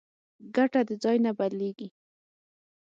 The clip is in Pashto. کټه د ځای نه بدلېږي.